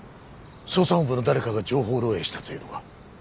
捜査本部の誰かが情報漏洩したと言うのか？